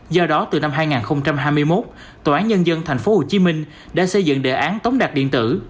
do đó từ năm hai nghìn hai mươi một tòa án nhân dân tp hcm đã xây dựng đề án tống đạt điện tử